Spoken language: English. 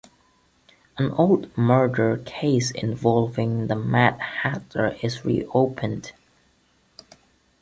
An old murder case involving the Mad Hatter is reopened.